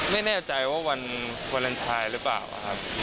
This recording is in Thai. ไม่แน่ใจว่าวันวาเลนไทยหรือเปล่าครับ